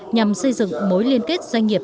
nhằm xây dựng mối liên kết doanh nghiệp